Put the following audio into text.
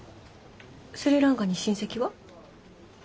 スリランカに親戚は？